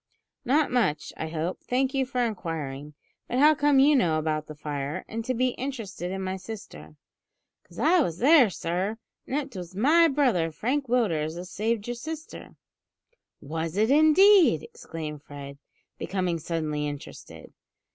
"Not much, I hope; thank you for inquiring; but how come you to know about the fire, and to be interested in my sister?" "'Cause I was there, sir; an' it was my brother, sir, Frank Willders, as saved your sister." "Was it, indeed!" exclaimed Fred, becoming suddenly interested.